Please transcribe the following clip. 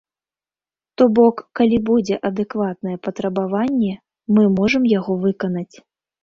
То бок, калі будзе адэкватнае патрабаванне, мы можам яго выканаць.